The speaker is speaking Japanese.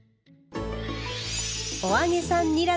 お揚げさんにら